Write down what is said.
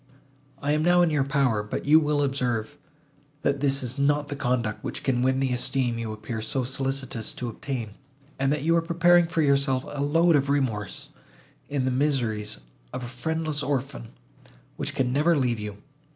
I am now in your power; but you will observe, that this is not the conduct which can win the esteem you appear so solicitous to obtain, and that you are preparing for yourself a load of remorse, in the miseries of a friendless orphan, which can never leave you.